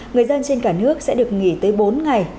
người dân trên cả nước sẽ được nghỉ tới bốn ngày